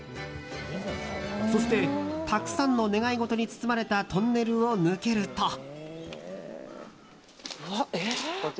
そして、たくさんの願い事に包まれたトンネルを抜けると。